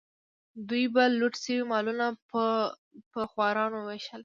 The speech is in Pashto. دوی به لوټ شوي مالونه په خوارانو ویشل.